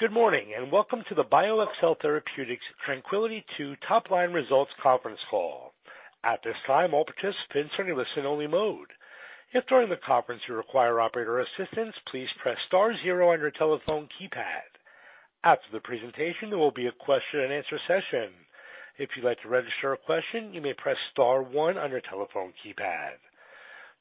Good morning, welcome to the BioXcel Therapeutics TRANQUILITY II Top Line Results Conference Call. At this time, all participants are in listen-only mode. If during the conference you require operator assistance, please press star zero on your telephone keypad. After the presentation, there will be a question-and-answer session. If you'd like to register a question, you may press star one on your telephone keypad.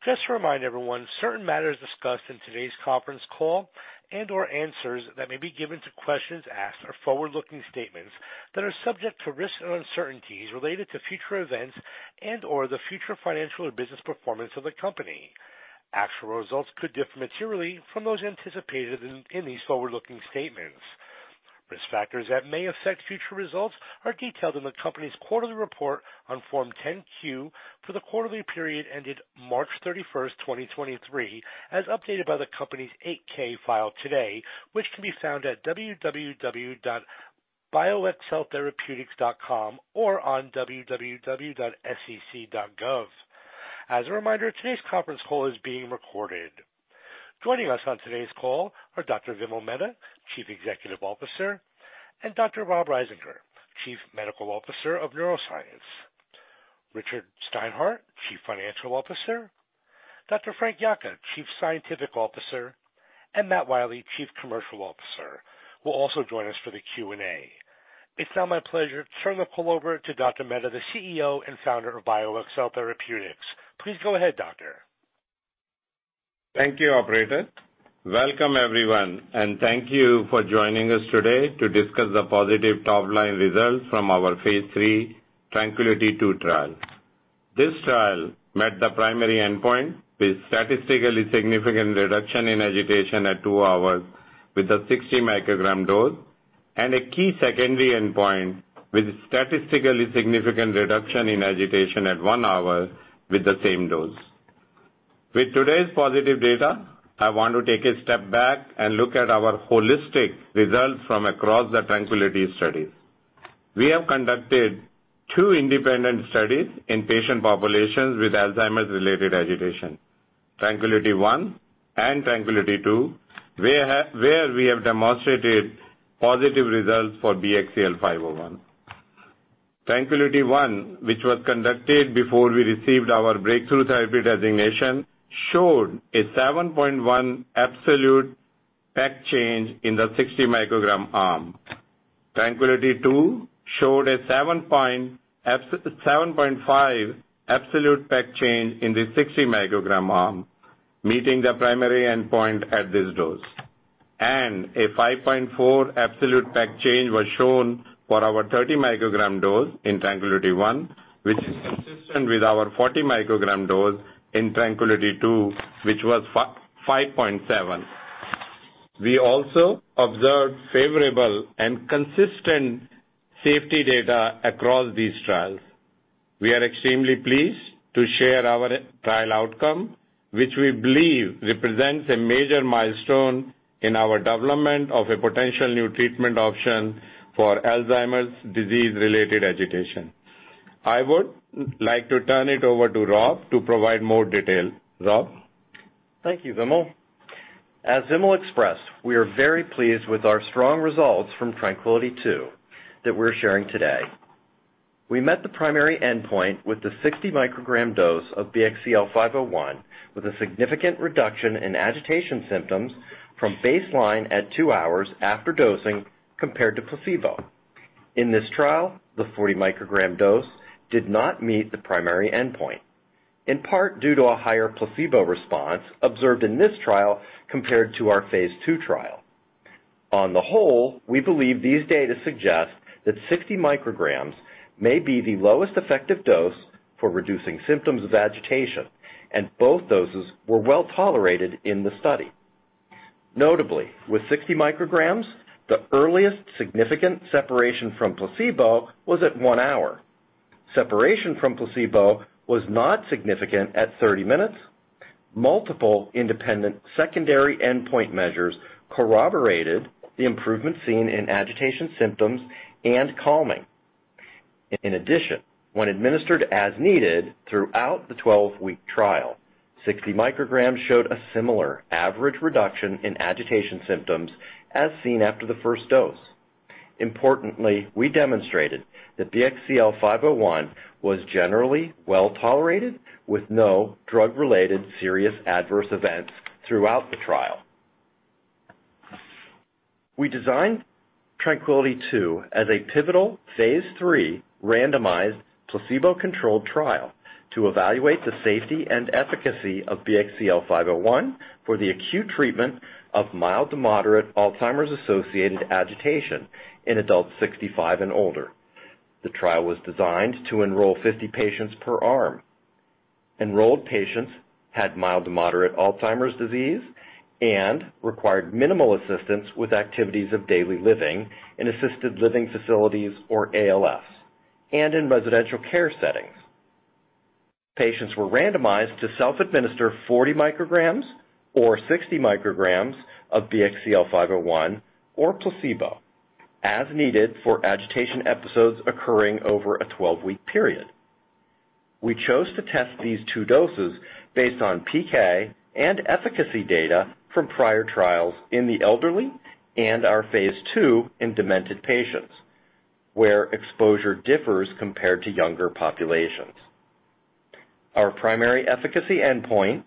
Just to remind everyone, certain matters discussed in today's conference call and/or answers that may be given to questions asked are forward-looking statements that are subject to risks and uncertainties related to future events and/or the future financial or business performance of the company. Actual results could differ materially from those anticipated in these forward-looking statements. Risk factors that may affect future results are detailed in the company's quarterly report on Form 10-Q for the quarterly period ended March 31st, 2023, as updated by the company's 8-K file today, which can be found at www.bioxceltherapeutics.com or on www.sec.gov. As a reminder, today's conference call is being recorded. Joining us on today's call are Dr. Vimal Mehta, Chief Executive Officer, and Dr. Robert Risinger, Chief Medical Officer of Neuroscience. Richard Steinhart, Chief Financial Officer, Dr. Frank Yocca, Chief Scientific Officer, and Matt Wiley, Chief Commercial Officer, will also join us for the Q&A. It's now my pleasure to turn the call over to Dr. Mehta, the CEO and founder of BioXcel Therapeutics. Please go ahead, Doctor. Thank you, Operator. Welcome, everyone, thank you for joining us today to discuss the positive top-line results from our phase III TRANQUILITY II trial. This trial met the primary endpoint with statistically significant reduction in agitation at two hours with a 60 mcg dose and a key secondary endpoint with a statistically significant reduction in agitation at 1 hour with the same dose. With today's positive data, I want to take a step back and look at our holistic results from across the TRANQUILITY studies. We have conducted two independent studies in patient populations with Alzheimer's-related agitation, TRANQUILITY I and TRANQUILITY II, where we have demonstrated positive results for BXCL501. TRANQUILITY I, which was conducted before we received our breakthrough therapy designation, showed a 7.1 absolute PEC change in the 60 mcg arm. TRANQUILITY II showed a 7.5 absolute PEC change in the 60 mcg arm, meeting the primary endpoint at this dose. A 5.4 absolute PEC change was shown for our 30 mcg dose in TRANQUILITY I, which is consistent with our 40 mcg dose in TRANQUILITY II, which was 5.7. We also observed favorable and consistent safety data across these trials. We are extremely pleased to share our trial outcome, which we believe represents a major milestone in our development of a potential new treatment option for Alzheimer's disease-related agitation. I would like to turn it over to Rob to provide more detail. Rob? Thank you, Vimal. As Vimal expressed, we are very pleased with our strong results from TRANQUILITY II that we're sharing today. We met the primary endpoint with the 60 mcg dose of BXCL501, with a significant reduction in agitation symptoms from baseline at two hours after dosing compared to placebo. In this trial, the 40 mcg dose did not meet the primary endpoint, in part due to a higher placebo response observed in this trial compared to our phase II trial. On the whole, we believe these data suggest that 60 mcg may be the lowest effective dose for reducing symptoms of agitation, and both doses were well tolerated in the study. Notably, with 60 mcg, the earliest significant separation from placebo was at one hour. Separation from placebo was not significant at 30 minutes. Multiple independent secondary endpoint measures corroborated the improvement seen in agitation symptoms and calming. In addition, when administered as needed throughout the 12-week trial, 60 mcg showed a similar average reduction in agitation symptoms as seen after the first dose. Importantly, we demonstrated that BXCL501 was generally well tolerated with no drug-related serious adverse events throughout the trial. We designed TRANQUILITY II as a pivotal phase III randomized placebo-controlled trial to evaluate the safety and efficacy of BXCL501 for the acute treatment of mild to moderate Alzheimer's-associated agitation in adults 65 and older. The trial was designed to enroll 50 patients per arm. Enrolled patients had mild to moderate Alzheimer's disease and required minimal assistance with activities of daily living in assisted living facilities or ALFs and in residential care settings. Patients were randomized to self-administer 40 mcg or 60 mcg of BXCL501 or placebo, as needed, for agitation episodes occurring over a 12-week period.... We chose to test these two doses based on PK and efficacy data from prior trials in the elderly and our phase II in demented patients, where exposure differs compared to younger populations. Our primary efficacy endpoint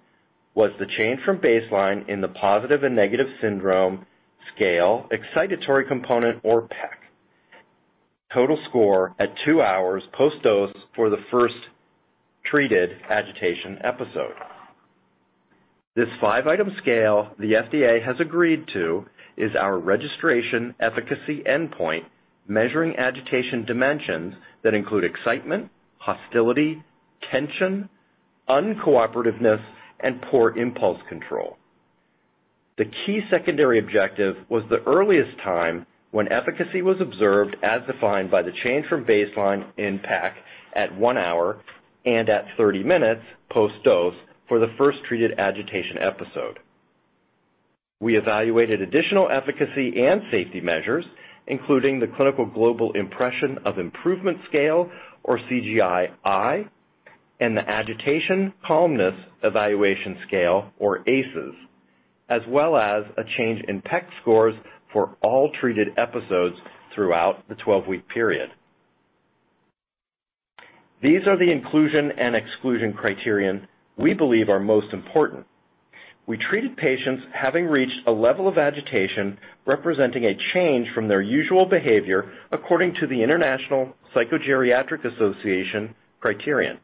was the change from baseline in the Positive and Negative Syndrome Scale-Excited Component, or PEC, total score at two hours post-dose for the first treated agitation episode. This five item scale the FDA has agreed to is our registration efficacy endpoint, measuring agitation dimensions that include excitement, hostility, tension, uncooperativeness, and poor impulse control. The key secondary objective was the earliest time when efficacy was observed, as defined by the change from baseline in PEC at one hour and at 30 minutes post-dose for the first treated agitation episode. We evaluated additional efficacy and safety measures, including the Clinical Global Impression of Improvement scale, or CGI-I, and the Agitation and Calmness Evaluation Scale, or ACES, as well as a change in PEC scores for all treated episodes throughout the 12-week period. These are the inclusion and exclusion criterion we believe are most important. We treated patients having reached a level of agitation, representing a change from their usual behavior according to the International Psychogeriatric Association criterion.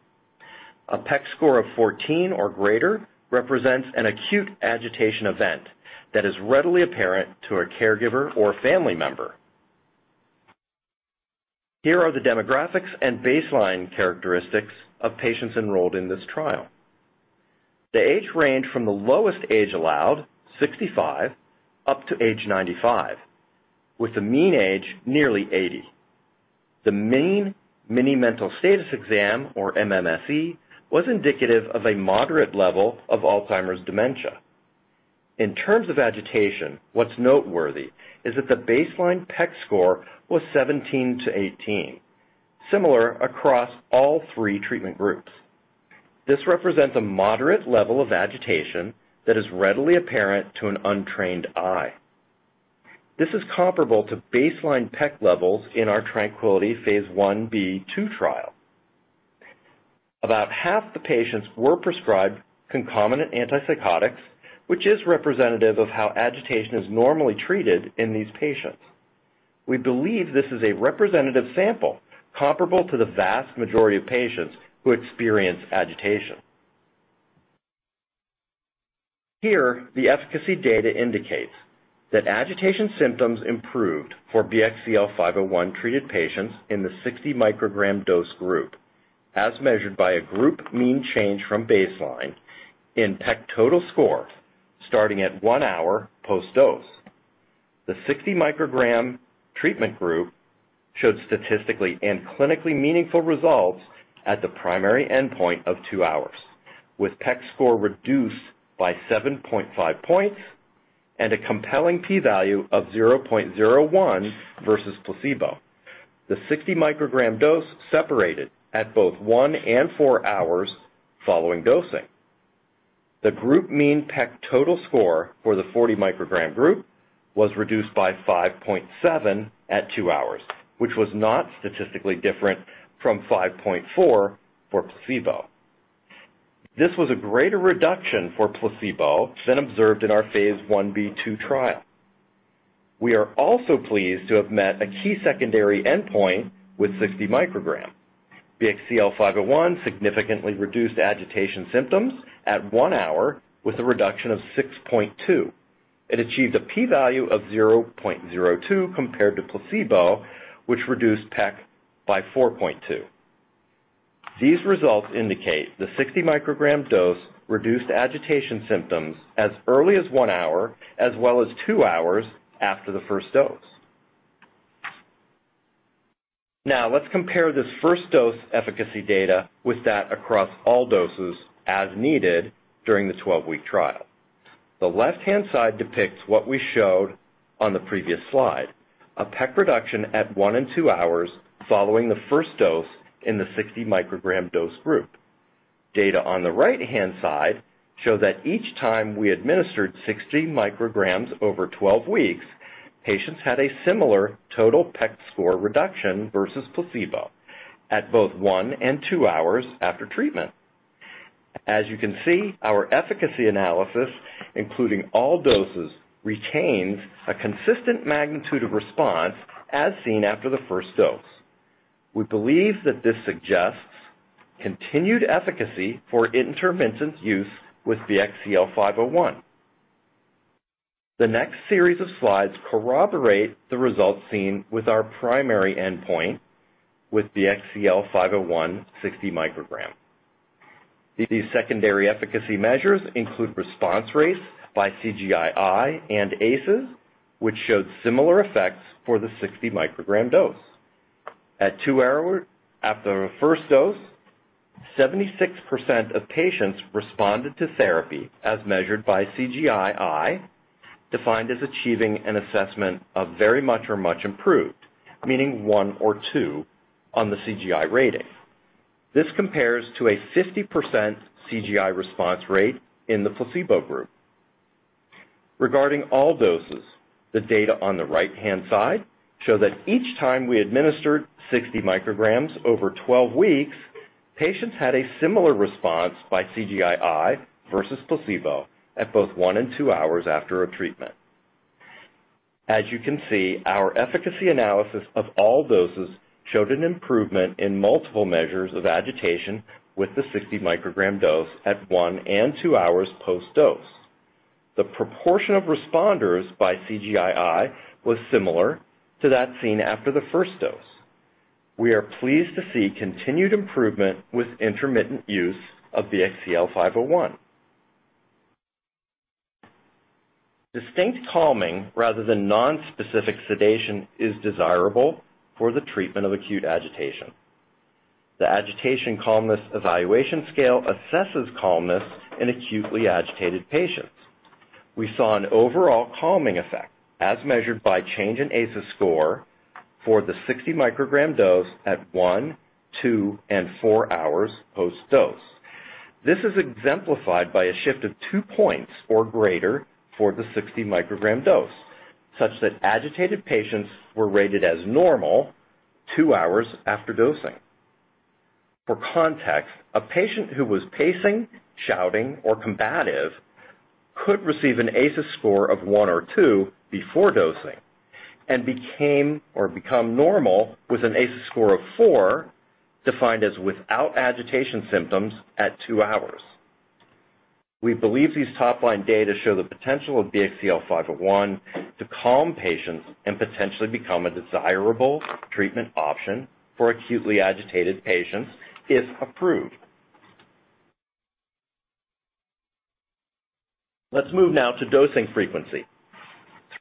A PEC score of 14 or greater represents an acute agitation event that is readily apparent to a caregiver or family member. Here are the demographics and baseline characteristics of patients enrolled in this trial. The age range from the lowest age allowed, 65, up to age 95, with a mean age nearly 80. The mean Mini-Mental State Examination, or MMSE, was indicative of a moderate level of Alzheimer's dementia. In terms of agitation, what's noteworthy is that the baseline PEC score was 17-18, similar across all three treatment groups. This represents a moderate level of agitation that is readily apparent to an untrained eye. This is comparable to baseline PEC levels in our TRANQUILITY phase IB/II trial. About half the patients were prescribed concomitant antipsychotics, which is representative of how agitation is normally treated in these patients. We believe this is a representative sample, comparable to the vast majority of patients who experience agitation. Here, the efficacy data indicates that agitation symptoms improved for BXCL501-treated patients in the 60 mcg dose group, as measured by a group mean change from baseline in PEC total scores starting at one hour post-dose. The 60 mcg treatment group showed statistically and clinically meaningful results at the primary endpoint of two hours, with PEC score reduced by 7.5 points and a compelling p-value of 0.01 versus placebo. The 60 mcg dose separated at both one and four hours following dosing. The group mean PEC total score for the 40 mcg group was reduced by 5.7 at two hours, which was not statistically different from 5.4 for placebo. This was a greater reduction for placebo than observed in our phase IB/II trial. We are also pleased to have met a key secondary endpoint with 60 mcg. BXCL501 significantly reduced agitation symptoms at one hour with a reduction of 6.2. It achieved a p-value of 0.02 compared to placebo, which reduced PEC by 4.2. These results indicate the 60 mcg dose reduced agitation symptoms as early as one hour, as well as two hours after the first dose. Now, let's compare this first dose efficacy data with that across all doses as needed during the 12-week trial. The left-hand side depicts what we showed on the previous slide, a PEC reduction at one and two hours following the first dose in the 60 mcg dose group. Data on the right-hand side show that each time we administered 60 mcg over 12 weeks, patients had a similar total PEC score reduction versus placebo at both one and two hours after treatment. As you can see, our efficacy analysis, including all doses, retains a consistent magnitude of response as seen after the first dose. We believe that this suggests continued efficacy for intermittent use with BXCL501. The next series of slides corroborate the results seen with our primary endpoint with BXCL501 60 mcg. These secondary efficacy measures include response rates by CGI-I and ACES, which showed similar effects for the 60 mcg dose. At two hours after the first dose, 76% of patients responded to therapy as measured by CGI-I, defined as achieving an assessment of very much or much improved, meaning one or two on the CGI rating. This compares to a 50% CGI response rate in the placebo group. Regarding all doses, the data on the right-hand side show that each time we administered 60 mcg over 12 weeks, patients had a similar response by CGI-I versus placebo at both one and two hours after a treatment. As you can see, our efficacy analysis of all doses showed an improvement in multiple measures of agitation with the 60 mcg dose at one and two hours post-dose. The proportion of responders by CGI-I was similar to that seen after the first dose. We are pleased to see continued improvement with intermittent use of BXCL501. Distinct calming rather than non-specific sedation is desirable for the treatment of acute agitation. The Agitation and Calmness Evaluation Scale assesses calmness in acutely agitated patients. We saw an overall calming effect as measured by change in ACES score for the 60 mcg dose at one, two, and four hours post-dose. This is exemplified by a shift of 2 points or greater for the 60 mcg dose, such that agitated patients were rated as normal two hours after dosing. For context, a patient who was pacing, shouting, or combative could receive an ACES score of 1 or 2 before dosing and became or become normal with an ACES score of 4, defined as without agitation symptoms at two hours. We believe these top-line data show the potential of BXCL501 to calm patients and potentially become a desirable treatment option for acutely agitated patients if approved. Let's move now to dosing frequency.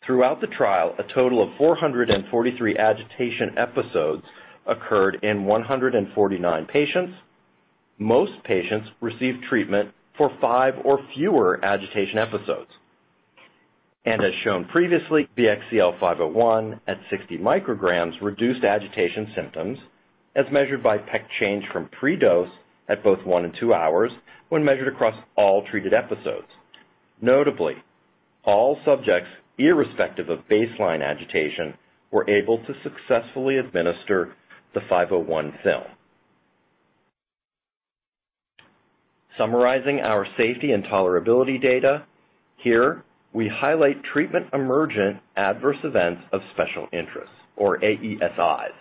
Throughout the trial, a total of 443 agitation episodes occurred in 149 patients. Most patients received treatment for five or fewer agitation episodes, and as shown previously, BXCL501 at 60 mcg reduced agitation symptoms as measured by PEC change from pre-dose at both one and two hours when measured across all treated episodes. Notably, all subjects, irrespective of baseline agitation, were able to successfully administer the 501 film. Summarizing our safety and tolerability data, here we highlight treatment emergent adverse events of special interests, or AESIs,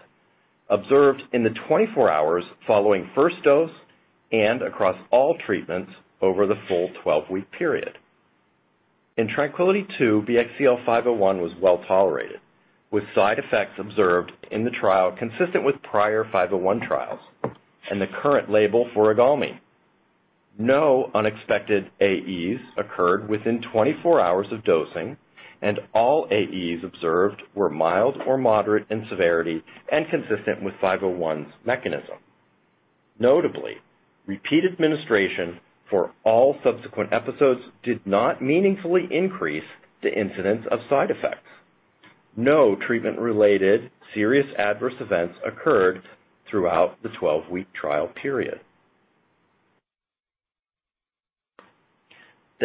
observed in the 24 hours following first dose and across all treatments over the full 12-week period. In TRANQUILITY II, BXCL501 was well tolerated, with side effects observed in the trial consistent with prior 501 trials and the current label for IGALMI. No unexpected AEs occurred within 24 hours of dosing, and all AEs observed were mild or moderate in severity and consistent with 501's mechanism. Notably, repeat administration for all subsequent episodes did not meaningfully increase the incidence of side effects. No treatment-related serious adverse events occurred throughout the 12-week trial period.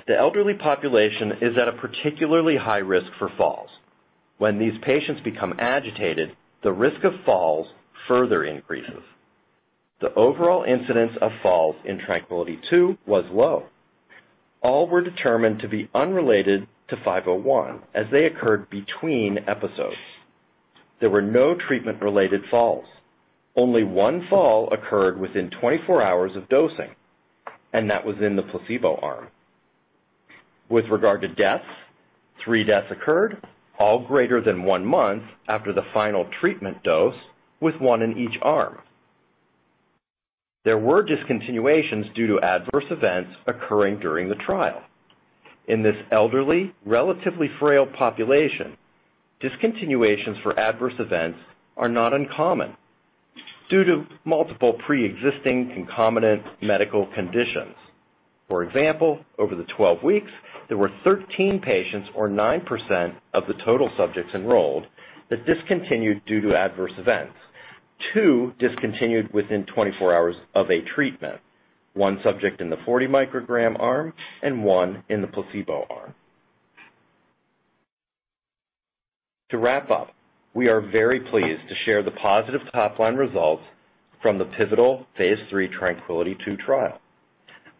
The elderly population is at a particularly high risk for falls. When these patients become agitated, the risk of falls further increases. The overall incidence of falls in TRANQUILITY II was low. All were determined to be unrelated to 501 as they occurred between episodes. There were no treatment-related falls. Only one fall occurred within 24 hours of dosing, that was in the placebo arm. With regard to deaths, three deaths occurred, all greater than one month after the final treatment dose, with one in each arm. There were discontinuations due to adverse events occurring during the trial. In this elderly, relatively frail population, discontinuations for adverse events are not uncommon due to multiple pre-existing concomitant medical conditions. For example, over the 12 weeks, there were 13 patients, or 9% of the total subjects enrolled, that discontinued due to adverse events. Two discontinued within 24 hours of a treatment, one subject in the 40 mcg arm and one in the placebo arm. To wrap up, we are very pleased to share the positive top-line results from the pivotal phase III TRANQUILITY II trial.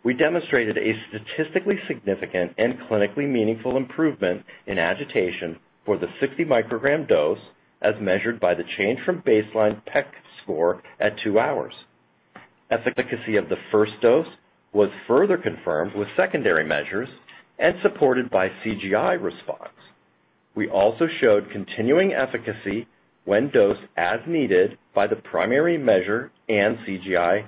We demonstrated a statistically significant and clinically meaningful improvement in agitation for the 60 mcg dose, as measured by the change from baseline PEC score at two hours. Efficacy of the first dose was further confirmed with secondary measures and supported by CGI response. We also showed continuing efficacy when dosed as needed by the primary measure and CGI-I.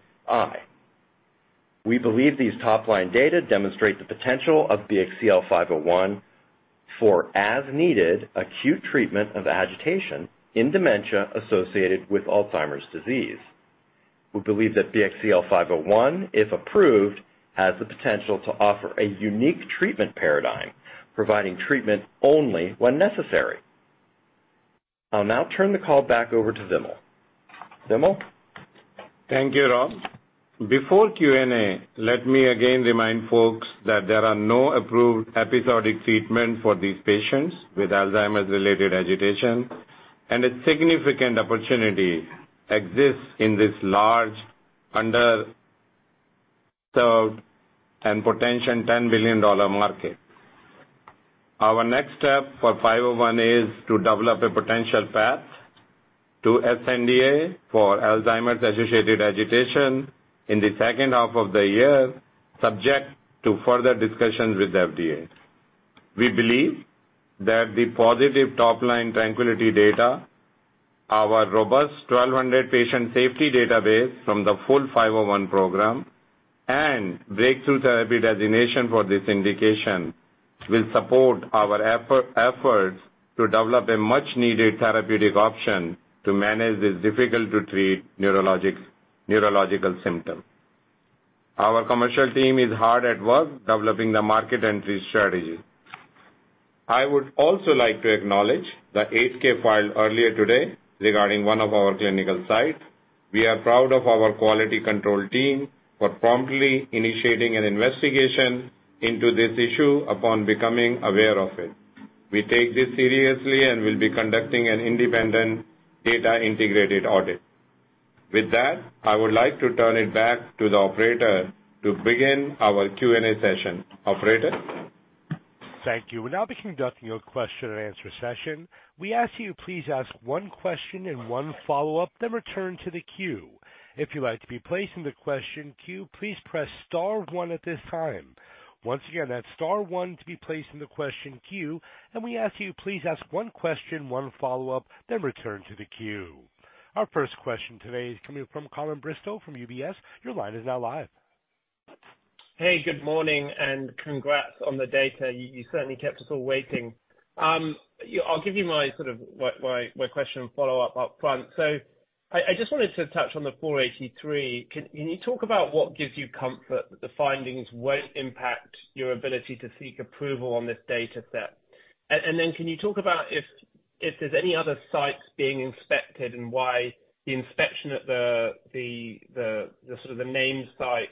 We believe these top-line data demonstrate the potential of BXCL501 for as-needed acute treatment of agitation in dementia associated with Alzheimer's disease.... We believe that BXCL501, if approved, has the potential to offer a unique treatment paradigm, providing treatment only when necessary. I'll now turn the call back over to Vimal. Vimal? Thank you, Rob. Before Q&A, let me again remind folks that there are no approved episodic treatment for these patients with Alzheimer's-related agitation, and a significant opportunity exists in this large, underserved and potential $10 billion market. Our next step for 501 is to develop a potential path to sNDA for Alzheimer's-associated agitation in the second half of the year, subject to further discussions with the FDA. We believe that the positive top-line TRANQUILITY data, our robust 1,200 patient safety database from the full 501 program, and breakthrough therapy designation for this indication will support our efforts to develop a much-needed therapeutic option to manage this difficult-to-treat neurological symptom. Our commercial team is hard at work developing the market entry strategy. I would also like to acknowledge the 8-K filed earlier today regarding one of our clinical sites. We are proud of our quality control team for promptly initiating an investigation into this issue upon becoming aware of it. We take this seriously and will be conducting an independent data integrity audit. With that, I would like to turn it back to the operator to begin our Q&A session. Operator? Thank you. We'll now be conducting your question-and-answer session. We ask you please ask one question and one follow-up, return to the queue. If you'd like to be placed in the question queue, please press star one at this time. Once again, that's star one to be placed in the question queue. We ask you, please ask one question, one follow-up, return to the queue. Our first question today is coming from Colin Bristow from UBS. Your line is now live. Hey, good morning, congrats on the data. You certainly kept us all waiting. Yeah, I'll give you my sort of my question and follow-up, up front. I just wanted to touch on the Form 483. Can you talk about what gives you comfort that the findings won't impact your ability to seek approval on this data set? Then can you talk about if there's any other sites being inspected and why the inspection at the sort of the main site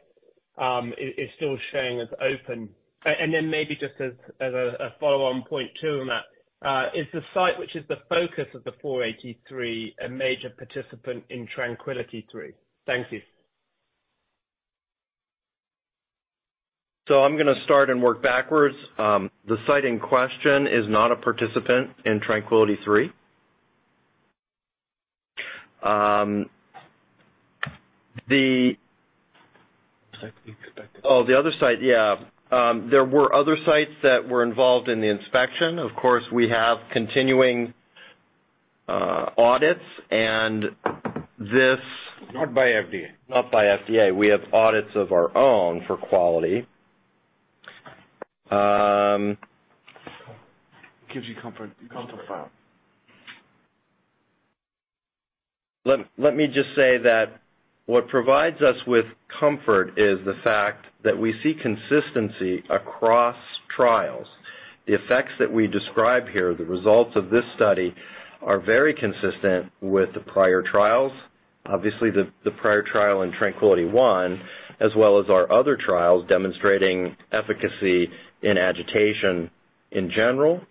is still showing as open? Then maybe just as a follow-on point, too, on that, is the site which is the focus of the Form 483 a major participant in TRANQUILITY III? Thank you. I'm gonna start and work backwards. The site in question is not a participant in TRANQUILITY III. Oh, the other site. Oh, the other site. Yeah. There were other sites that were involved in the inspection. Of course, we have continuing audits. Not by FDA. Not by FDA. We have audits of our own for quality. Gives you comfort file. Let me just say that what provides us with comfort is the fact that we see consistency across trials. The effects that we describe here, the results of this study, are very consistent with the prior trials. Obviously, the prior trial in TRANQUILITY I, as well as our other trials demonstrating efficacy in agitation in general.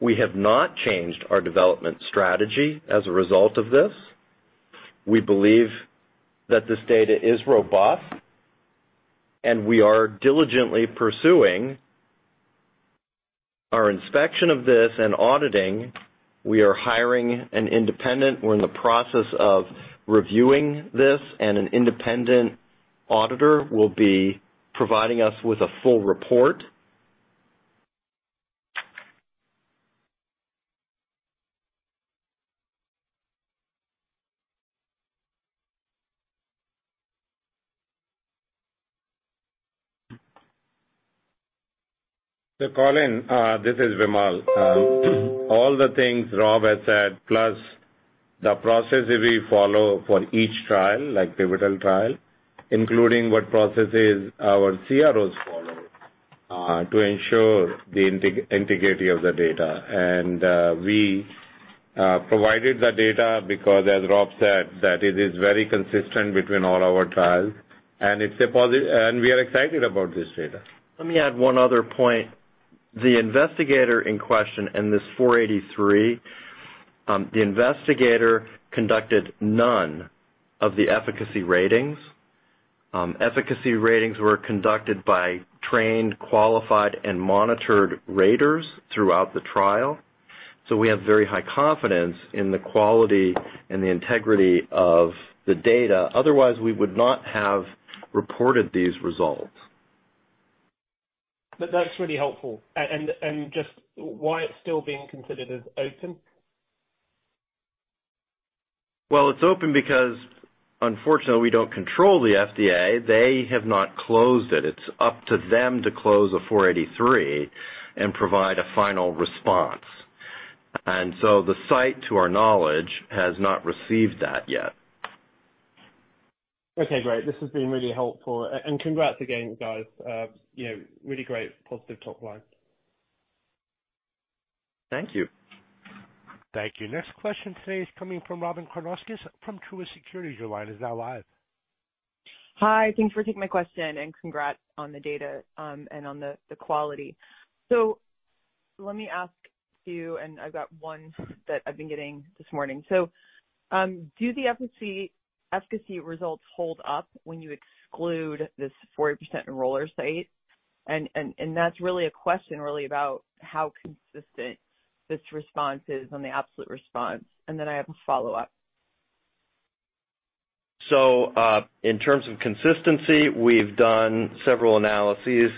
We have not changed our development strategy as a result of this. We believe that this data is robust, and we are diligently pursuing our inspection of this and auditing. We're in the process of reviewing this, and an independent auditor will be providing us with a full report. Colin Bristow, this is Vimal. All the things Rob has said, plus the processes we follow for each trial, like pivotal trial, including what processes our CROs follow, to ensure the integrity of the data. We provided the data because, as Rob said, that it is very consistent between all our trials, and we are excited about this data. Let me add one other point. The investigator in question in this Form 483, the investigator conducted none of the efficacy ratings. Efficacy ratings were conducted by trained, qualified, and monitored raters throughout the trial. We have very high confidence in the quality and the integrity of the data. Otherwise, we would not have reported these results. That's really helpful. Just why it's still being considered as open? Well, it's open because unfortunately, we don't control the FDA. They have not closed it. It's up to them to close a Form 483 and provide a final response. The site, to our knowledge, has not received that yet. Okay, great. This has been really helpful. Congrats again, guys. You know, really great positive top line. Thank you. Thank you. Next question today is coming from Robyn Karnauskas from Truist Securities. Your line is now live. Hi, thanks for taking my question, congrats on the data, and on the quality. Let me ask you, I've got one that I've been getting this morning. Do the efficacy results hold up when you exclude this 40% enroller site? That's really a question really about how consistent this response is on the absolute response. I have a follow-up. In terms of consistency, we've done several analyses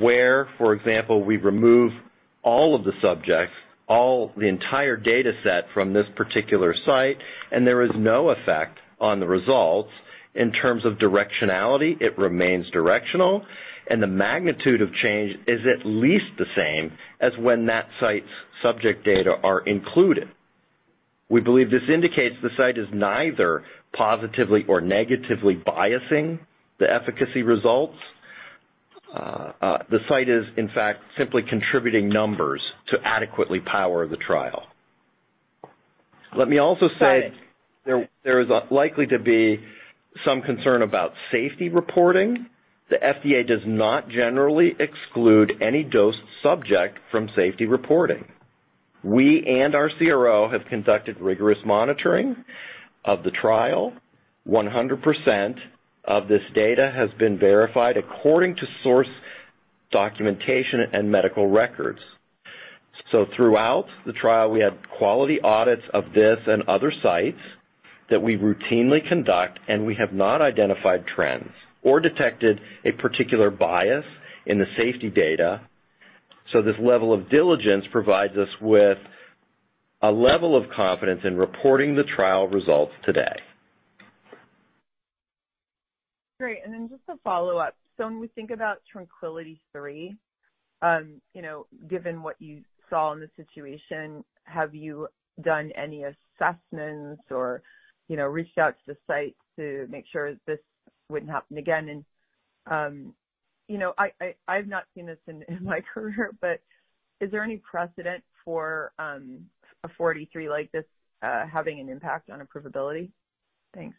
where, for example, we remove all of the subjects, all the entire dataset from this particular site, and there is no effect on the results. In terms of directionality, it remains directional, and the magnitude of change is at least the same as when that site's subject data are included. We believe this indicates the site is neither positively or negatively biasing the efficacy results. The site is, in fact, simply contributing numbers to adequately power the trial. Let me also say. Got it. There is likely to be some concern about safety reporting. The FDA does not generally exclude any dosed subject from safety reporting. We and our CRO have conducted rigorous monitoring of the trial. 100% of this data has been verified according to source documentation and medical records. Throughout the trial, we had quality audits of this and other sites that we routinely conduct, and we have not identified trends or detected a particular bias in the safety data. This level of diligence provides us with a level of confidence in reporting the trial results today. Great. Just a follow-up. When we think about TRANQUILITY III, you know, given what you saw in the situation, have you done any assessments or, you know, reached out to the site to make sure this wouldn't happen again? You know, I've not seen this in my career but is there any precedent for a Form 483 like this having an impact on approvability? Thanks.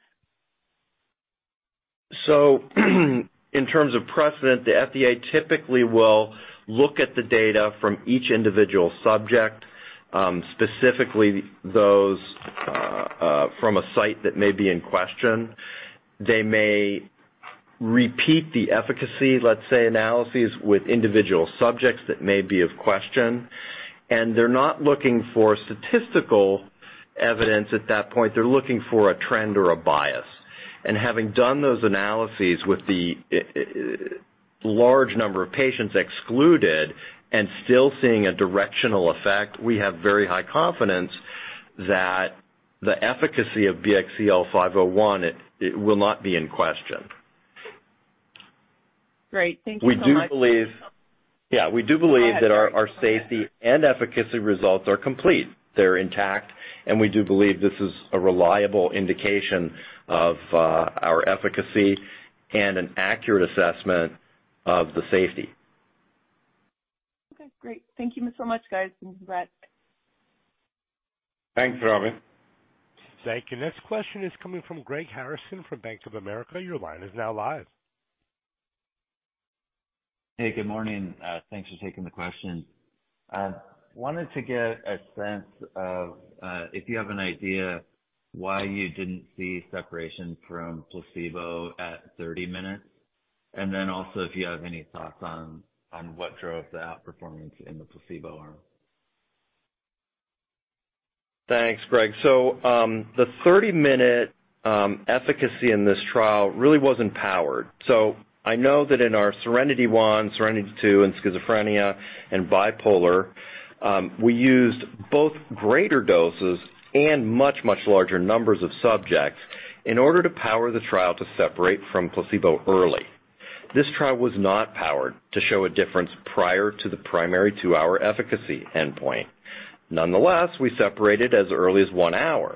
In terms of precedent, the FDA typically will look at the data from each individual subject, specifically those from a site that may be in question. They may repeat the efficacy, let's say, analyses with individual subjects that may be of question, and they're not looking for statistical evidence at that point. They're looking for a trend or a bias. Having done those analyses with the large number of patients excluded and still seeing a directional effect, we have very high confidence that the efficacy of BXCL501 will not be in question. Great. Thank you so much. Yeah, we do believe. Go ahead, sorry. That our safety and efficacy results are complete, they're intact, and we do believe this is a reliable indication of our efficacy and an accurate assessment of the safety. Okay, great. Thank you so much, guys, and congrats. Thanks, Robyn. Thank you. Next question is coming from Greg Harrison from Bank of America. Your line is now live. Hey, good morning. Thanks for taking the question. Wanted to get a sense of, if you have an idea why you didn't see separation from placebo at 30 minutes, and then also if you have any thoughts on what drove the outperformance in the placebo arm? Thanks, Greg. The 30-minute efficacy in this trial really wasn't powered. I know that in our SERENITY I, SERENITY II, and schizophrenia and bipolar, we used both greater doses and much larger numbers of subjects in order to power the trial to separate from placebo early. This trial was not powered to show a difference prior to the primary two hour efficacy endpoint. Nonetheless, we separated as early as one hour.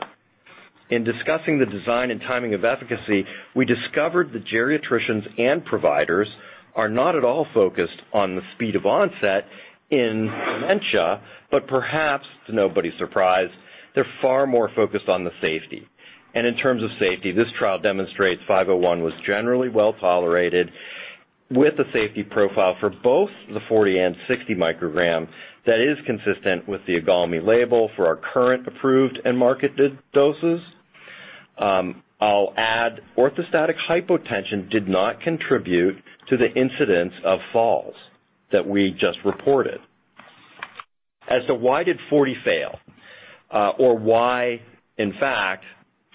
In discussing the design and timing of efficacy, we discovered that geriatricians and providers are not at all focused on the speed of onset in dementia, but perhaps, to nobody's surprise, they're far more focused on the safety. In terms of safety, this trial demonstrates BXCL501 was generally well-tolerated, with a safety profile for both the 40 and 60 mcg that is consistent with the IGALMI label for our current approved and marketed doses. I'll add orthostatic hypotension did not contribute to the incidence of falls that we just reported. As to why did 40 fail, or why, in fact,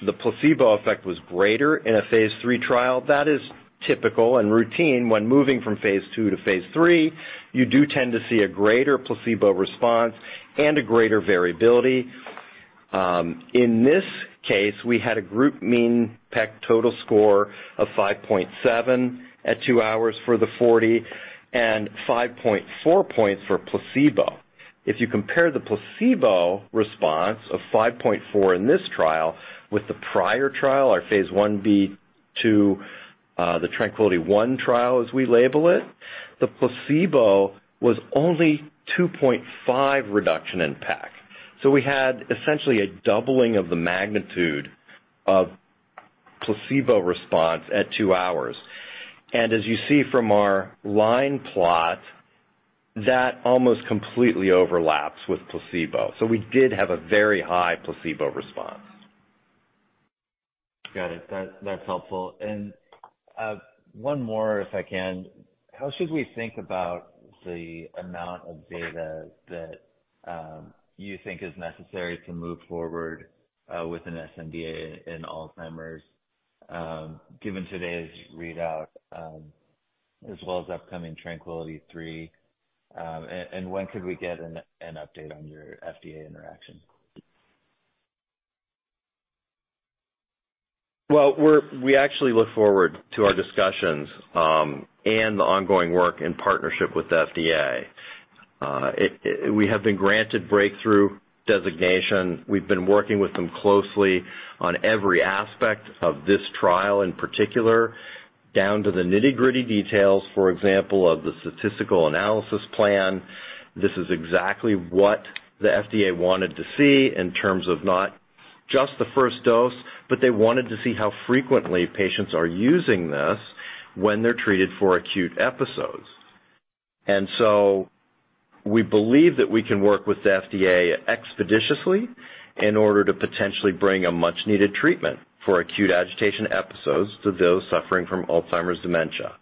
the placebo effect was greater in a phase III trial, that is typical and routine when moving from phase II to phase III. You do tend to see a greater placebo response and a greater variability. In this case, we had a group mean PEC total score of 5.7 at two hours for the 40, and 5.4 points for placebo. If you compare the placebo response of 5.4 in this trial with the prior trial, our phase IB/II, the TRANQUILITY I trial, as we label it, the placebo was only 2.5 reduction in PEC. We had essentially a doubling of the magnitude of placebo response at two hours. As you see from our line plot, that almost completely overlaps with placebo. We did have a very high placebo response. Got it. That's helpful. One more, if I can. How should we think about the amount of data that you think is necessary to move forward with an sNDA in Alzheimer's, given today's readout, as well as upcoming TRANQUILITY III, and when could we get an update on your FDA interaction? Well, we actually look forward to our discussions and the ongoing work and partnership with the FDA. We have been granted breakthrough designation. We've been working with them closely on every aspect of this trial, in particular, down to the nitty gritty details, for example, of the statistical analysis plan. This is exactly what the FDA wanted to see in terms of not just the first dose, but they wanted to see how frequently patients are using this when they're treated for acute episodes. We believe that we can work with the FDA expeditiously in order to potentially bring a much-needed treatment for acute agitation episodes to those suffering from Alzheimer's dementia,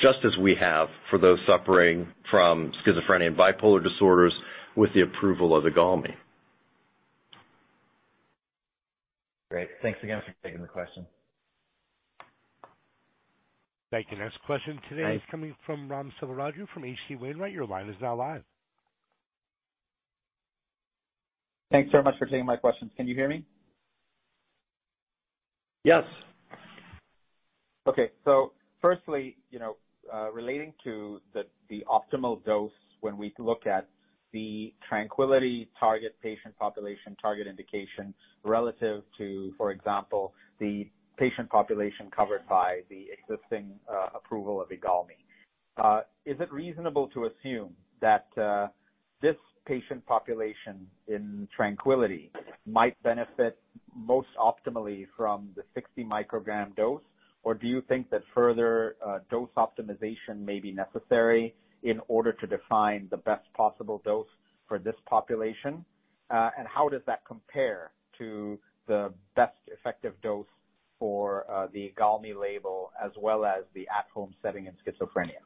just as we have for those suffering from schizophrenia and bipolar disorders with the approval of IGALMI. Great. Thanks again for taking the question. Thank you. Next question today. Thanks. is coming from Ram Selvaraju from H.C. Wainwright. Your line is now live. Thanks so much for taking my questions. Can you hear me? Yes. Firstly, you know, relating to the optimal dose, when we look at the TRANQUILITY target patient population, target indication, relative to, for example, the patient population covered by the existing approval of IGALMI. Is it reasonable to assume that this patient population in TRANQUILITY might benefit most optimally from the 60 mcg dose? Do you think that further dose optimization may be necessary in order to define the best possible dose for this population? How does that compare to the best effective dose for the IGALMI label as well as the at-home setting in schizophrenia?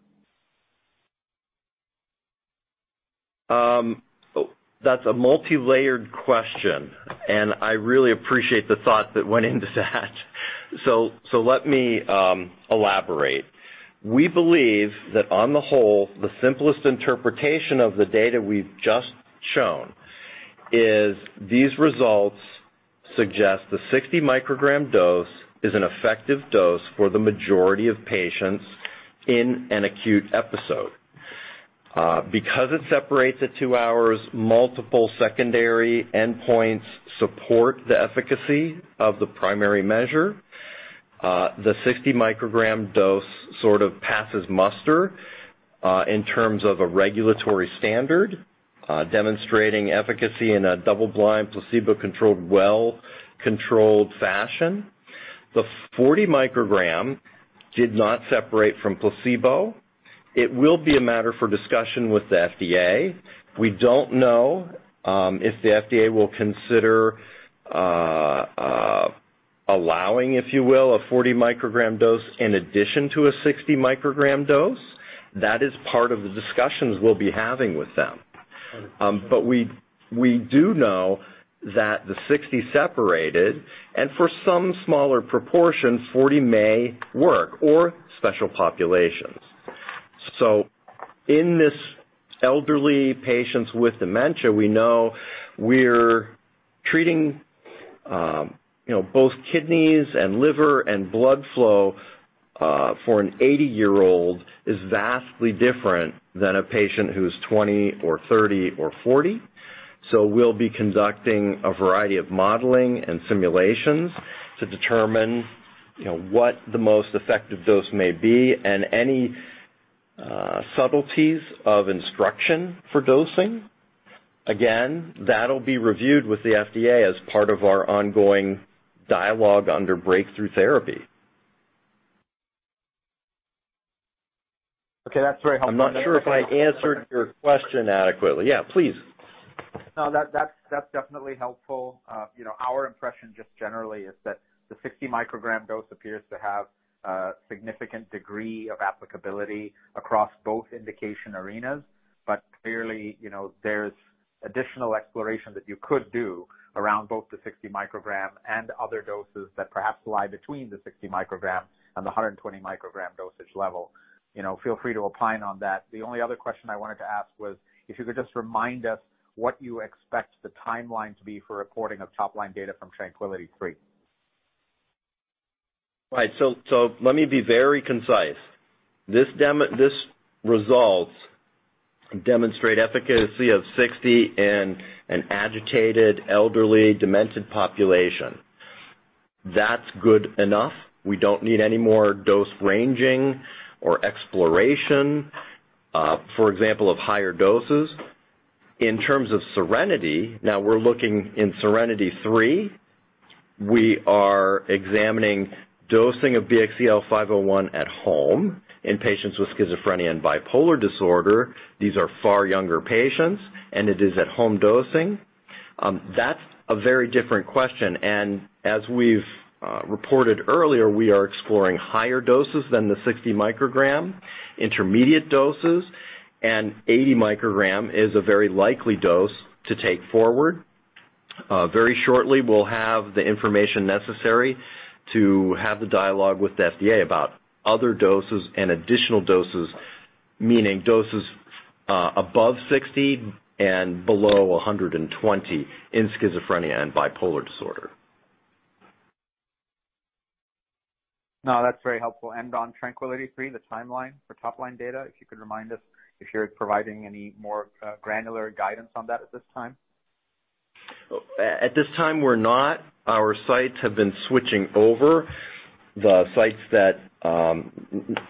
That's a multilayered question, and I really appreciate the thought that went into that. Let me elaborate. We believe that on the whole, the simplest interpretation of the data we've just shown is these results suggest the 60 mcg dose is an effective dose for the majority of patients in an acute episode. Because it separates at two hours, multiple secondary endpoints support the efficacy of the primary measure. The 60 mcg dose sort of passes muster in terms of a regulatory standard, demonstrating efficacy in a double-blind, placebo-controlled, well-controlled fashion. The 40 mcg did not separate from placebo. It will be a matter for discussion with the FDA. We don't know if the FDA will consider allowing, if you will, a 40 mcg dose in addition to a 60 mcg dose. That is part of the discussions we'll be having with them. We, we do know that the 60 separated, and for some smaller proportions, 40 may work or special populations. In this elderly patients with dementia, we know we're treating, you know, both kidneys and liver and blood flow, for an 80-year-old is vastly different than a patient who's 20 or 30 or 40. We'll be conducting a variety of modeling and simulations to determine, you know, what the most effective dose may be and any subtleties of instruction for dosing. Again, that'll be reviewed with the FDA as part of our ongoing dialogue under breakthrough therapy. Okay, that's very helpful. I'm not sure if I answered your question adequately. Yeah, please. No, that's definitely helpful. You know, our impression just generally is that the 60 mcg dose appears to have a significant degree of applicability across both indication arenas, but clearly, you know, there's additional exploration that you could do around both the 60 mcg and other doses that perhaps lie between the 60 mcg and the 120 mcg dosage level. You know, feel free to opine on that. The only other question I wanted to ask was if you could just remind us what you expect the timeline to be for reporting of top-line data from TRANQUILITY III? Right. Let me be very concise. This results demonstrate efficacy of 60 in an agitated, elderly, demented population. That's good enough. We don't need any more dose ranging or exploration, for example, of higher doses. In terms of SERENITY, now we're looking in SERENITY III, we are examining dosing of BXCL501 at home in patients with schizophrenia and bipolar disorder. These are far younger patients, and it is at-home dosing. That's a very different question, and as we've reported earlier, we are exploring higher doses than the 60 mcg, intermediate doses, and 80 mcg is a very likely dose to take forward. Very shortly, we'll have the information necessary to have the dialogue with the FDA about other doses and additional doses, meaning doses above 60 and below 120 in schizophrenia and bipolar disorder. No, that's very helpful. On TRANQUILITY III, the timeline for top-line data, if you could remind us if you're providing any more granular guidance on that at this time? At this time, we're not. Our sites have been switching over. The sites that,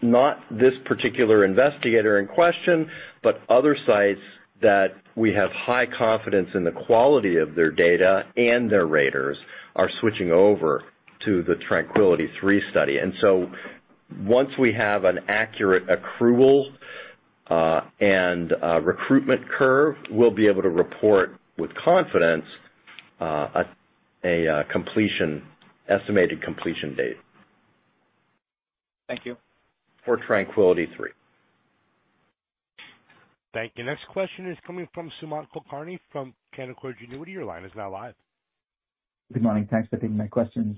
not this particular investigator in question, but other sites that we have high confidence in the quality of their data and their raters are switching over to the TRANQUILITY III study. Once we have an accurate accrual and a recruitment curve, we'll be able to report with confidence a completion, estimated completion date. Thank you. For TRANQUILITY III. Thank you. Next question is coming from Sumant Kulkarni from Canaccord Genuity. Your line is now live. Good morning. Thanks for taking my questions.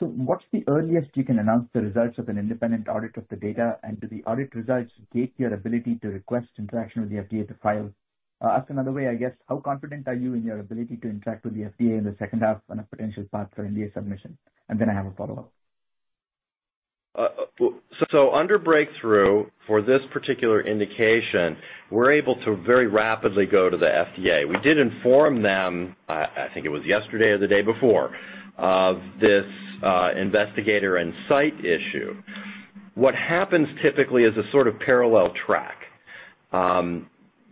What's the earliest you can announce the results of an independent audit of the data? Do the audit results date your ability to request interaction with the FDA to file? Asked another way, how confident are you in your ability to interact with the FDA in the second half on a potential path for NDA submission? I have a follow-up. Under breakthrough for this particular indication, we're able to very rapidly go to the FDA. We did inform them, I think it was yesterday or the day before, of this investigator and site issue. What happens typically is a sort of parallel track.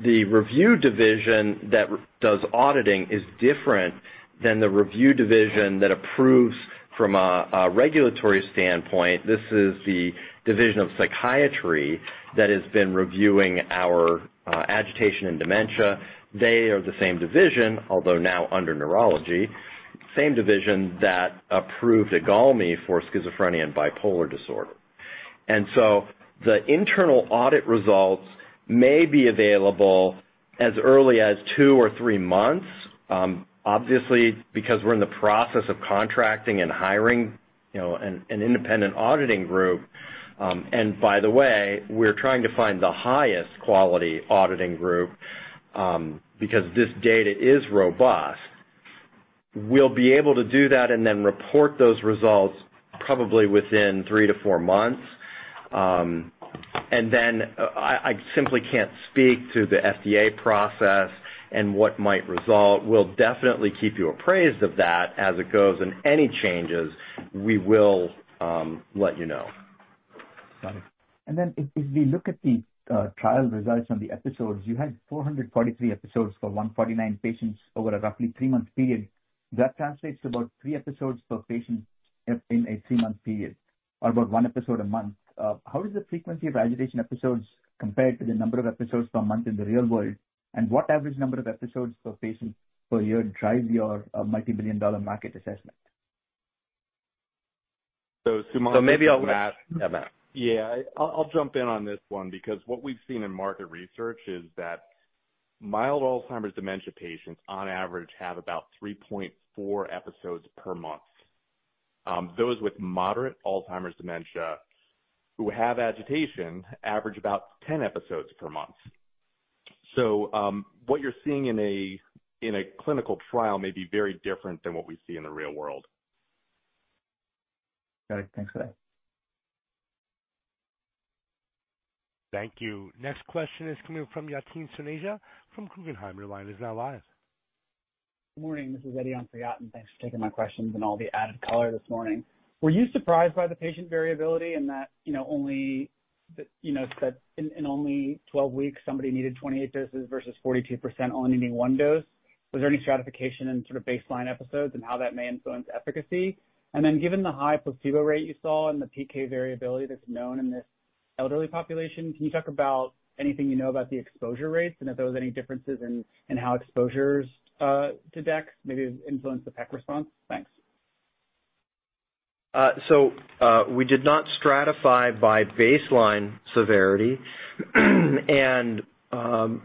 The review division that does auditing is different than the review division that approves from a regulatory standpoint. This is the division of psychiatry that has been reviewing our agitation and dementia. They are the same division, although now under neurology, same division that approved IGALMI for schizophrenia and bipolar disorder. The internal audit results may be available as early as two or three months. Obviously, because we're in the process of contracting and hiring, you know, an independent auditing group. By the way, we're trying to find the highest quality auditing group, because this data is robust. We'll be able to do that and then report those results probably within three to four months. Then, I simply can't speak to the FDA process and what might result. We'll definitely keep you appraised of that as it goes, and any changes, we will let you know. Got it. If we look at the trial results from the episodes, you had 443 episodes for 149 patients over a roughly three month period. That translates to about three episodes per patient in a three month period, or about 1 episode a month. How does the frequency of agitation episodes compare to the number of episodes per month in the real world? What average number of episodes per patient per year drive your multi-billion-dollar market assessment? Sumant- Maybe I'll ask Matt. Yeah, I'll jump in on this one because what we've seen in market research is that mild Alzheimer's dementia patients, on average, have about 3.4 episodes per month. Those with moderate Alzheimer's dementia who have agitation average about 10 episodes per month. What you're seeing in a clinical trial may be very different than what we see in the real world. Got it. Thanks for that. Thank you. Next question is coming from Yatin Suneja, from Guggenheim. Your line is now live. Good morning. This is Yatin Suneja, thanks for taking my questions and all the added color this morning. Were you surprised by the patient variability and that, you know, only, you know, that in only 12 weeks, somebody needed 28 doses versus 42% only needing one dose? Was there any stratification in sort of baseline episodes and how that may influence efficacy? Given the high placebo rate you saw and the PK variability that's known in this elderly population, can you talk about anything you know about the exposure rates and if there was any differences in how exposures to dex maybe influenced the PEC response? Thanks. We did not stratify by baseline severity, and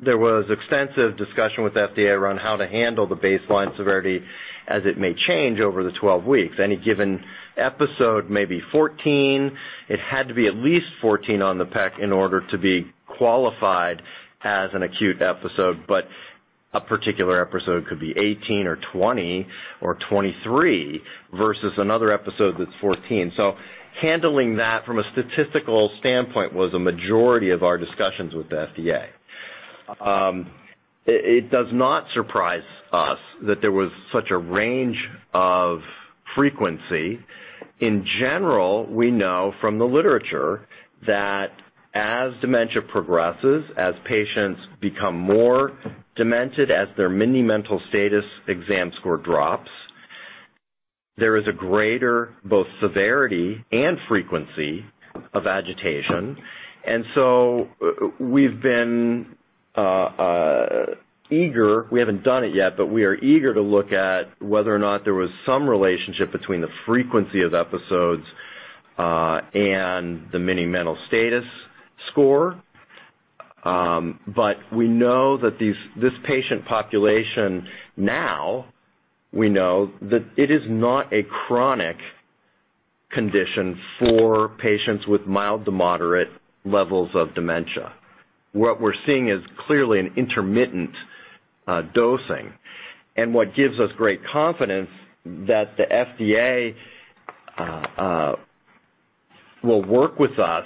there was extensive discussion with the FDA around how to handle the baseline severity as it may change over the 12 weeks. Any given episode may be 14. It had to be at least 14 on the PEC in order to be qualified as an acute episode. A particular episode could be 18 or 20 or 23 versus another episode that's 14. Handling that from a statistical standpoint was a majority of our discussions with the FDA. It does not surprise us that there was such a range of frequency. In general, we know from the literature that as dementia progresses, as patients become more demented, as their Mini-Mental State Examination score drops, there is a greater both severity and frequency of agitation. we've been eager, we haven't done it yet, but we are eager to look at whether or not there was some relationship between the frequency of episodes and the Mini-Mental Status score. But we know that this patient population, now, we know that it is not a chronic condition for patients with mild to moderate levels of dementia. What we're seeing is clearly an intermittent dosing. What gives us great confidence that the FDA will work with us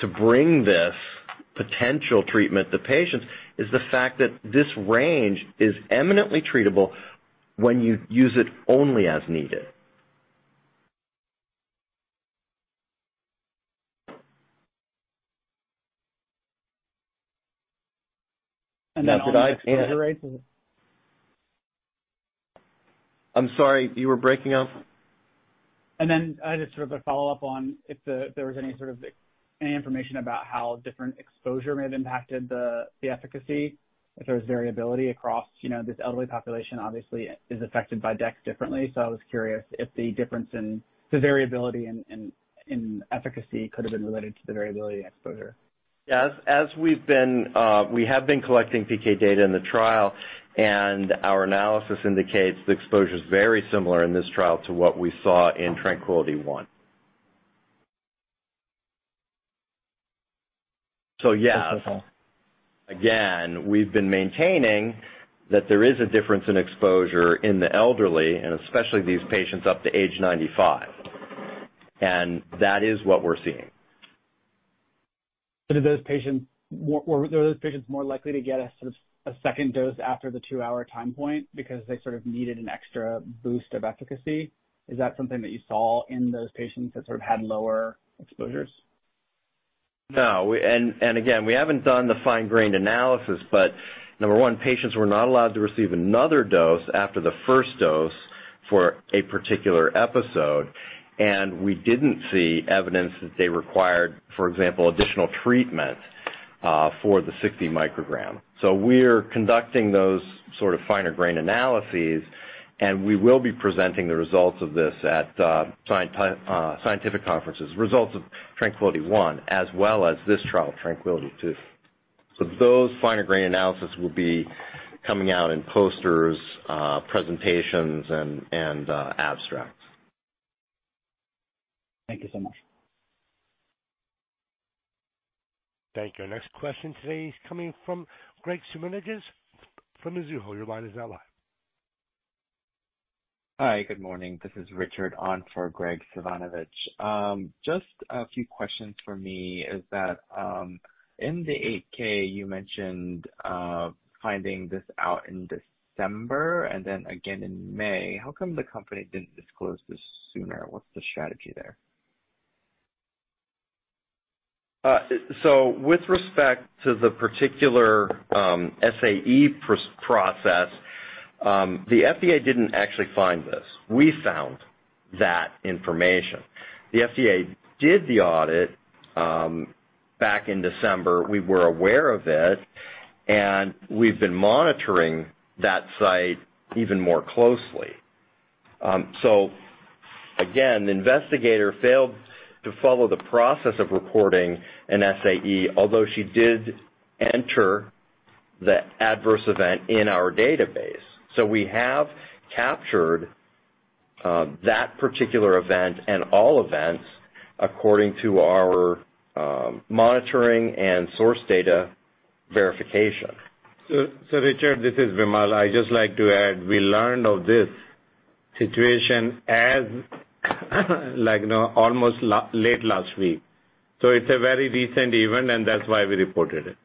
to bring this potential treatment to patients, is the fact that this range is eminently treatable when you use it only as needed. on exposure rates. I'm sorry, you were breaking up. I just sort of a follow-up on if there was any sort of information about how different exposure may have impacted the efficacy. If there was variability across, you know, this elderly population obviously is affected by dex differently. I was curious if the difference in the variability in efficacy could have been related to the variability exposure. Yes. As we have been collecting PK data in the trial, our analysis indicates the exposure is very similar in this trial to what we saw in TRANQUILITY I. Yes. Okay. We've been maintaining that there is a difference in exposure in the elderly and especially these patients up to age 95. That is what we're seeing. Were those patients more likely to get a sort of, a second dose after the two hour time point because they sort of needed an extra boost of efficacy? Is that something that you saw in those patients that sort of had lower exposures? We haven't done the fine-grained analysis, but number one, patients were not allowed to receive another dose after the first dose for a particular episode, and we didn't see evidence that they required, for example, additional treatment for the 60 mcg. We're conducting those sort of finer grain analyses, and we will be presenting the results of this at scientific conferences, results of TRANQUILITY I, as well as this trial, TRANQUILITY II. Those finer grain analyses will be coming out in posters, presentations, and abstracts. Thank you so much. Thank you. Our next question today is coming from Graig Suvannavejh from Mizuho. Your line is now live. Hi, good morning. This is Richard on for Graig Suvannavejh. Just a few questions for me is that, in the 8-K, you mentioned, finding this out in December and then again in May. How come the company didn't disclose this sooner? What's the strategy there? With respect to the particular SAE process, the FDA didn't actually find this. We found that information. The FDA did the audit back in December. We were aware of it, and we've been monitoring that site even more closely. Again, the investigator failed to follow the process of reporting an SAE, although she did enter the adverse event in our database. We have captured that particular event and all events according to our monitoring and source data verification. Richard, this is Vimal. I'd just like to add, we learned of this situation as, like, you know, almost late last week. It's a very recent event, and that's why we reported it.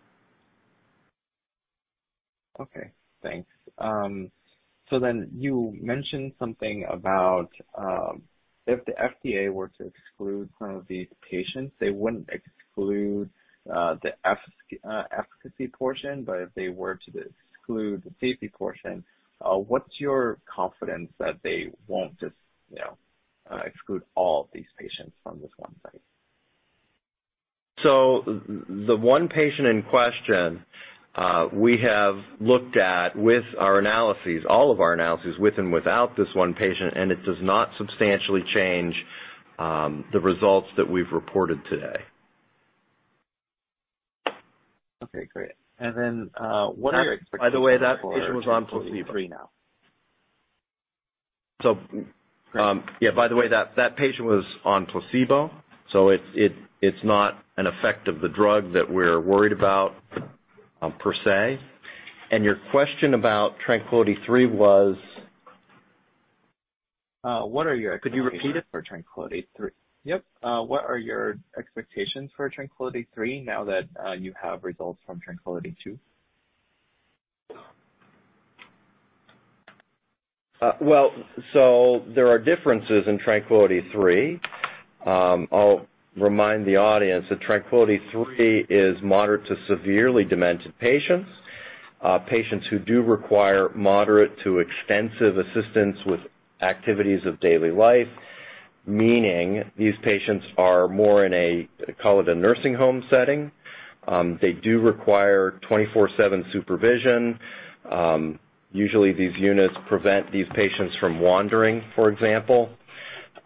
Thanks. You mentioned something about, if the FDA were to exclude some of these patients, they wouldn't exclude the efficacy portion, but if they were to exclude the safety portion, what's your confidence that they won't just, you know, exclude all of these patients from this one site? The one patient in question, we have looked at with our analyses, all of our analyses, with and without this one patient, and it does not substantially change the results that we've reported today. Okay, great. what are your- By the way, that patient was on TRANQUILITY III now. Yeah, by the way, that patient was on placebo, so it's not an effect of the drug that we're worried about, per se. Your question about TRANQUILITY III was? what are your- Could you repeat it? for TRANQUILITY III? Yep. What are your expectations for TRANQUILITY III now that you have results from TRANQUILITY II? Well, there are differences in TRANQUILITY III. I'll remind the audience that TRANQUILITY III is moderate to severely demented patients. Patients who do require moderate to extensive assistance with activities of daily life, meaning these patients are more in a, call it a nursing home setting. They do require 24/7 supervision. Usually, these units prevent these patients from wandering, for example,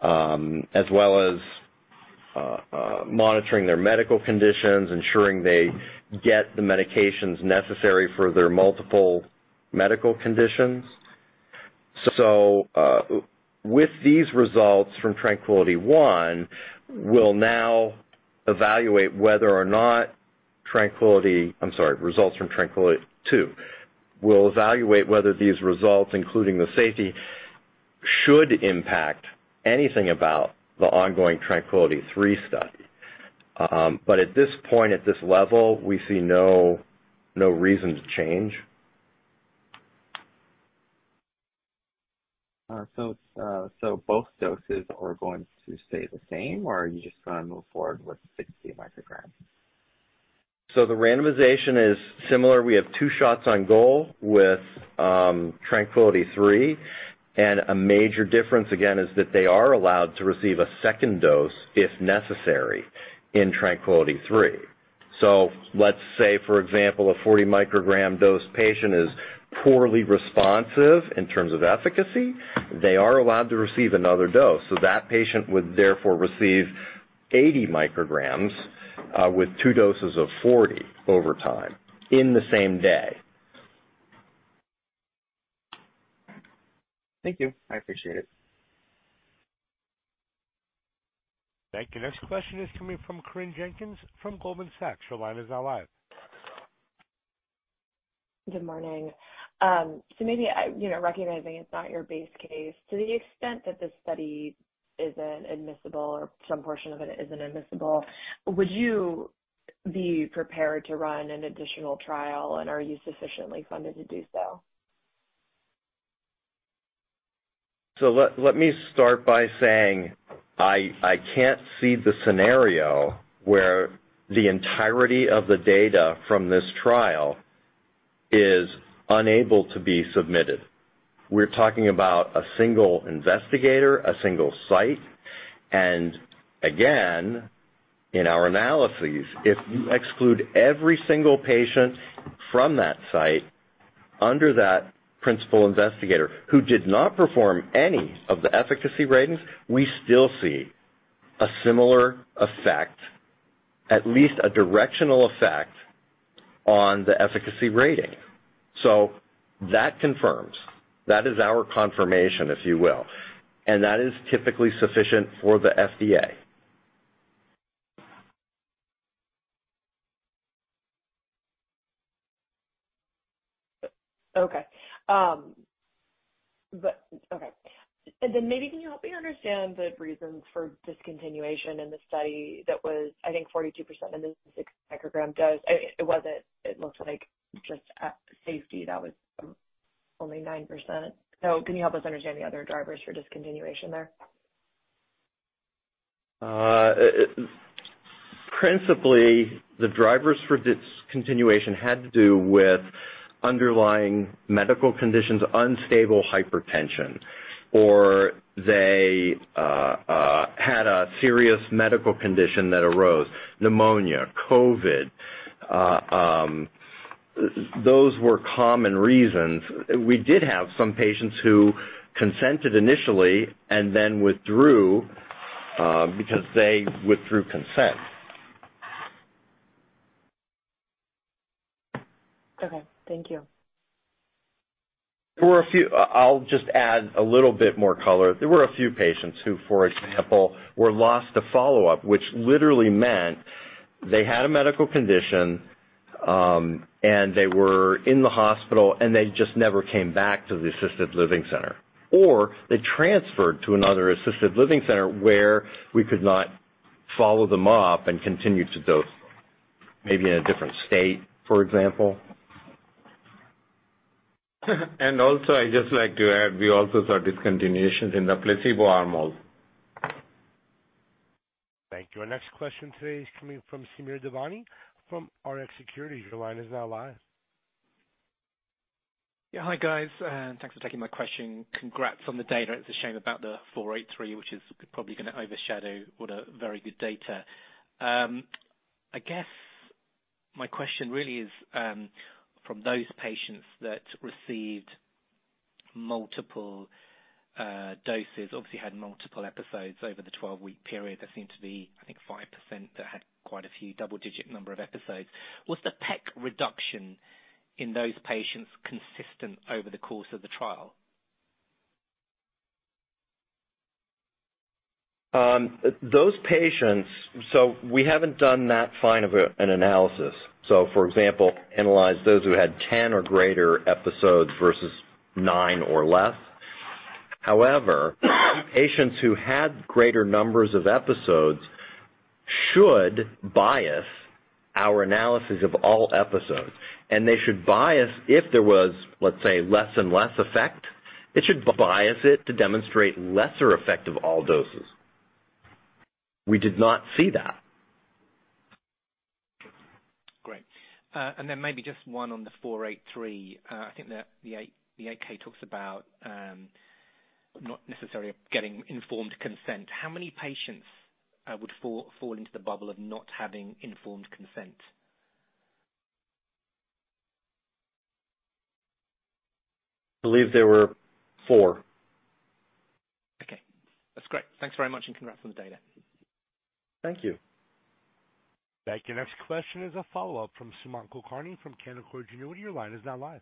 as well as monitoring their medical conditions, ensuring they get the medications necessary for their multiple medical conditions. With these results from TRANQUILITY I, we'll now evaluate whether or not, I'm sorry, results from TRANQUILITY II. We'll evaluate whether these results, including the safety, should impact anything about the ongoing TRANQUILITY III study. But at this point, at this level, we see no reason to change. Both doses are going to stay the same, or are you just gonna move forward with 60 mcg? The randomization is similar. We have two shots on goal with TRANQUILITY III, and a major difference, again, is that they are allowed to receive a second dose if necessary in TRANQUILITY III. Let's say, for example, a 40 mcg dose patient is poorly responsive in terms of efficacy. They are allowed to receive another dose, so that patient would therefore receive 80 mcg with two doses of 40 over time in the same day. Thank you. I appreciate it. Thank you. Next question is coming from Corinne Jenkins from Goldman Sachs. Your line is now live. Good morning. maybe, you know, recognizing it's not your base case, to the extent that this study isn't admissible or some portion of it isn't admissible, would you be prepared to run an additional trial, and are you sufficiently funded to do so? Let me start by saying I can't see the scenario where the entirety of the data from this trial is unable to be submitted. We're talking about a single investigator, a single site. Again, in our analyses, if you exclude every single patient from that site under that principal investigator, who did not perform any of the efficacy ratings, we still see a similar effect, at least a directional effect, on the efficacy rating. That confirms. That is our confirmation, if you will, and that is typically sufficient for the FDA. Okay. Okay. Maybe can you help me understand the reasons for discontinuation in the study that was, I think, 42% in the 60 mcg dose? It wasn't, it looked like just at safety, that was only 9%. Can you help us understand the other drivers for discontinuation there? Principally, the drivers for discontinuation had to do with underlying medical conditions, unstable hypertension, or they had a serious medical condition that arose. Pneumonia, COVID, those were common reasons. We did have some patients who consented initially and then withdrew because they withdrew consent. Okay, thank you. I'll just add a little bit more color. There were a few patients who, for example, were lost to follow-up, which literally meant they had a medical condition, and they were in the hospital, and they just never came back to the assisted living center, or they transferred to another assisted living center where we could not follow them up and continue to dose. Maybe in a different state, for example. I'd just like to add, we also saw discontinuation in the placebo arm also. Thank you. Our next question today is coming from Samir Devani from Rx Securities. Your line is now live. Yeah. Hi, guys, and thanks for taking my question. Congrats on the data. It's a shame about the Form 483, which is probably gonna overshadow what a very good data. I guess my question really is, from those patients that received multiple doses, obviously had multiple episodes over the 12-week period. That seemed to be, I think, 5% that had quite a few double-digit number of episodes. Was the PEC reduction in those patients consistent over the course of the trial? Those patients, so we haven't done that fine of an analysis. For example, analyze those who had 10 or greater episodes versus nine or less. However, patients who had greater numbers of episodes should bias our analysis of all episodes, and they should bias if there was, let's say, less and less effect, it should bias it to demonstrate lesser effect of all doses. We did not see that. Great. maybe just one on the Form 483. I think the 8-K talks about, not necessarily getting informed consent. How many patients would fall into the bubble of not having informed consent? I believe there were four. Okay, that's great. Thanks very much, and congrats on the data. Thank you. Thank you. Next question is a follow-up from Sumant Kulkarni from Canaccord Genuity. Your line is now live.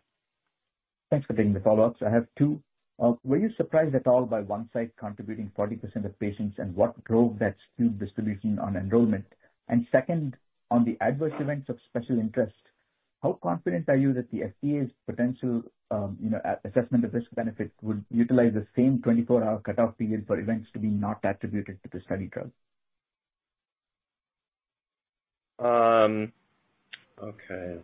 Thanks for taking the follow-ups. I have two. Were you surprised at all by one site contributing 40% of patients, and what drove that skewed distribution on enrollment? Second, on the Adverse Events of Special Interest, how confident are you that the FDA's potential, you know, assessment of risk benefits would utilize the same 24-hour cutoff period for events to be not attributed to the study drugs? Okay.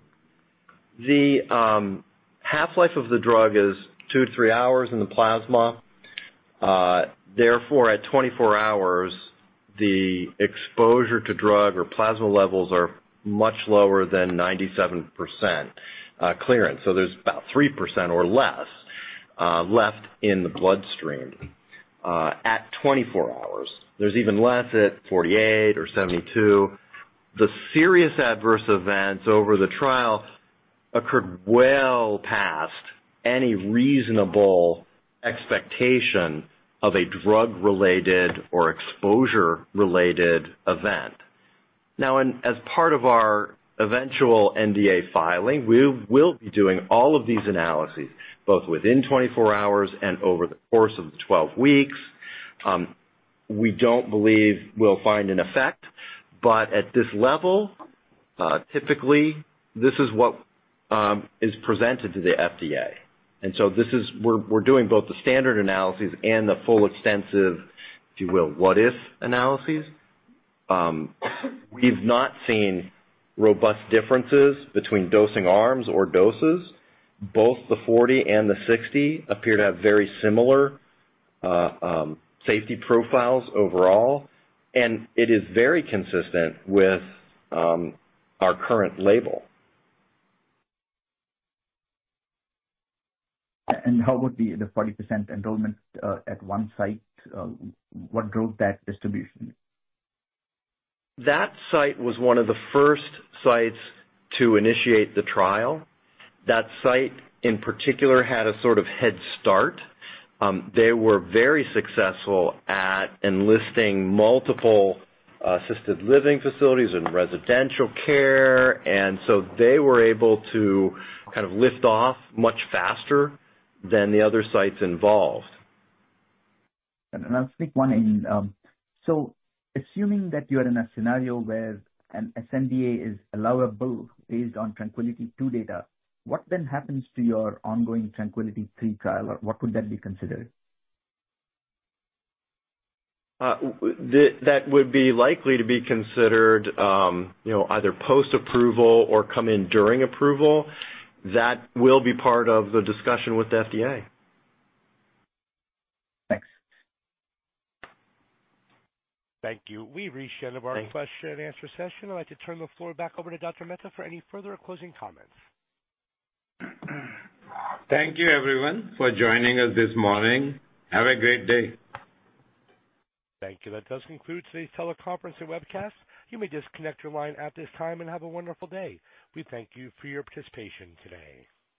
The half-life of the drug is two to three hours in the plasma. Therefore, at 24 hours, the exposure to drug or plasma levels are much lower than 97% clearance. There's about 3% or less left in the bloodstream at 24 hours. There's even less at 48 or 72. The serious adverse events over the trial occurred well past any reasonable expectation of a drug-related or exposure-related event. In, as part of our eventual NDA filing, we will be doing all of these analyses, both within 24 hours and over the course of the 12 weeks. We don't believe we'll find an effect, but at this level, typically this is what is presented to the FDA. This is. We're doing both the standard analyses and the full extensive, if you will, what-if analyses. We've not seen robust differences between dosing arms or doses. Both the 40 and the 60 appear to have very similar safety profiles overall, and it is very consistent with our current label. How about the 40% enrollment at one site? What drove that distribution? That site was one of the first sites to initiate the trial. That site, in particular, had a sort of head start. They were very successful at enlisting multiple Assisted Living Facilities and residential care, and so they were able to kind of lift off much faster than the other sites involved. I'll sneak one in. Assuming that you're in a scenario where an sNDA is allowable based on TRANQUILITY II data, what then happens to your ongoing TRANQUILITY III trial, or what would that be considered? That would be likely to be considered, you know, either post-approval or come in during approval. That will be part of the discussion with the FDA. Thanks. Thank you. We've reached the end of. Thank you. question-and-answer session. I'd like to turn the floor back over to Dr. Mehta for any further closing comments. Thank you, everyone, for joining us this morning. Have a great day. Thank you. That does conclude today's teleconference and webcast. You may disconnect your line at this time and have a wonderful day. We thank you for your participation today.